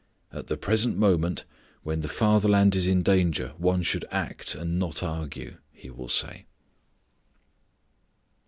"At the present moment, when the fatherland is in danger, one should act, and not argue," he will say.